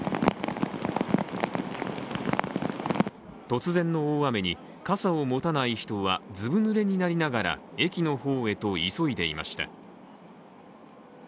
突然の大雨に、傘を持たない人は、ずぶぬれになりながら駅の方へと急いでいました。